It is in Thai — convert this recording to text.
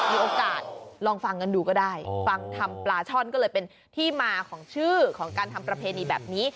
มีโอกาสลองฟังกันดูก็ได้ฟังทำปลาช่อนก็เลยเป็นที่มาของชื่อของการทำประเพณีแบบนี้